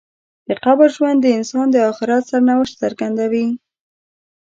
د قبر ژوند د انسان د آخرت سرنوشت څرګندوي.